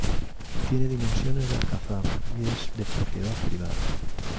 Tiene dimensiones de alcazaba, y es de propiedad privada.